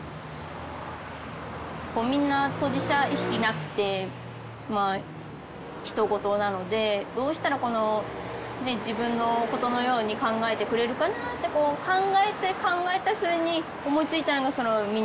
みんな当事者意識なくてまあひと事なのでどうしたらこの自分のことのように考えてくれるかなってこう考えて考えた末に思いついたのがそのミニチュアで。